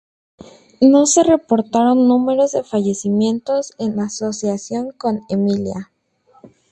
No se reportaron números de fallecimientos en asociación con Emilia.